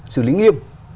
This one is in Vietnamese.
xử lý nghiêm